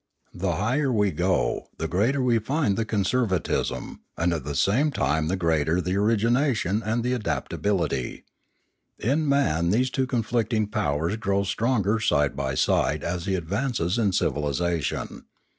The higher we go, the greater we find the conservatism, and at the same time the greater the origination and the adaptability. In man these two conflicting powers grow stronger side by side as he advances in civilisation.